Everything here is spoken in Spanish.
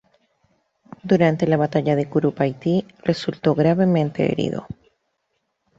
Durante la batalla de Curupaytí resultó gravemente herido.